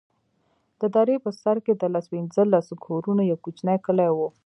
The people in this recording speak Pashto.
د درې په سر کښې د لس پينځه لسو کورونو يو کوچنى کلى و.